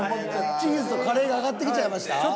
チーズとカレーが上がってきちゃいました？